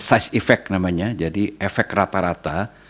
size effect namanya jadi efek rata rata